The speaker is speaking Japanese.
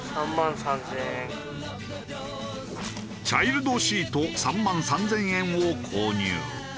チャイルドシート３万３０００円を購入。